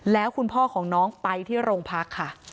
แล้วคุณพ่อของน้องไปที่โรงพักค่ะ